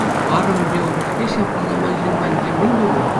Арӑмӗпе упӑшки ҫав палламан ҫын патӗнче мӗн тунӑ?